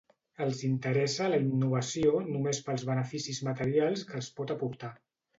Els interessa la innovació només pels beneficis materials que els pot aportar.